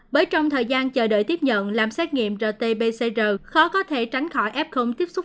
bởi trong thời gian chờ đợi tiếp nhận làm xét nghiệm rt pcr khó có thể tránh khỏi f tiếp xúc